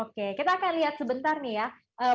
oke kita akan lihat sebentar nih ya